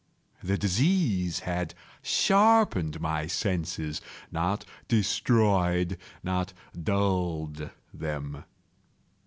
The disease had sharpened my senses—not destroyed—not dulled them.